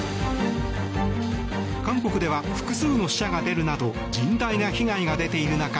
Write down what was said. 韓国では複数の死者が出るなど甚大な被害が出ている中